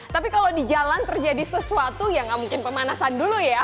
tapi kalau di jalan terjadi sesuatu ya nggak mungkin pemanasan dulu ya